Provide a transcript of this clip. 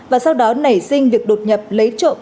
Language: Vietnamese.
và sau đó nảy sinh việc đột nhập lấy trộm